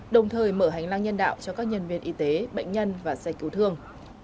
đồng thời mở hành lang nhân đạo cho các nhân viên y tế bệnh nhân và xe cứu thương